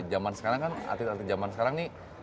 zaman sekarang kan arti arti zaman sekarang nih